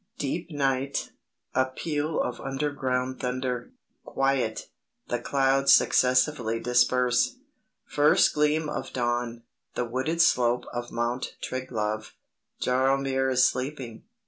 Deep night; a peal of underground thunder. Quiet. The clouds successively disperse. First gleam of dawn. The wooded slope of Mount Triglav. Jaromir is sleeping.